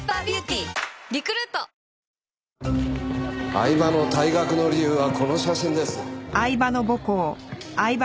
饗庭の退学の理由はこの写真です。